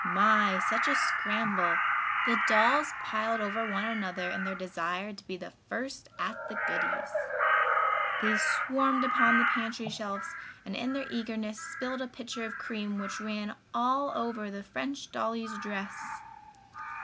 My! Such a scramble! The dolls piled over one another in their desire to be the first at the goodies. They swarmed upon the pantry shelves and in their eagerness spilled a pitcher of cream which ran all over the French dolly's dress.